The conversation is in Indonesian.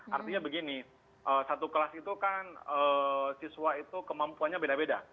artinya begini satu kelas itu kan siswa itu kemampuannya beda beda